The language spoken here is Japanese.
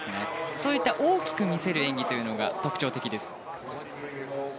そういった大きく見せる演技が特徴的です。